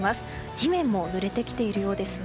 地面もぬれてきているようですね。